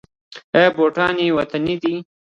آیا بوټان یې وطني دي؟